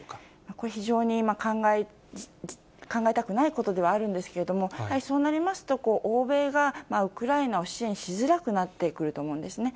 これ非常に、今考えたくないことではあるんですが、やはりそうなりますと、欧米がウクライナを支援しづらくなってくると思うんですね。